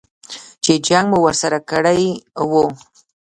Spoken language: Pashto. چې جنګ مو ورسره کړی و.